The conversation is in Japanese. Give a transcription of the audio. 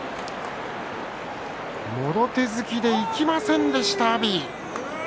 もろ手突きでいきませんでした阿炎。